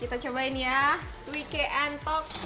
kita cobain ya suike entok